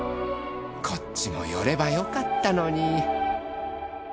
こっちも寄ればよかったのに。